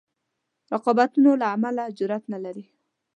رقابتونو له امله جرأت نه لري.